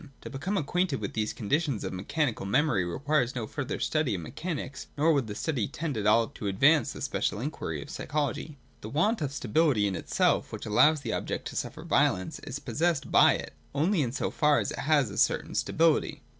To become acquainted with these conditions of mechanical memory requires no further study of mechanics, nor would that study tend at all to advance the special inquiry of psychology. 196 198.] MECHANISM. 339 196.] The want of stability in itself which allows the object to suffer violence, is possessed by it (see preced ing §) only in so far as it has a certain stability.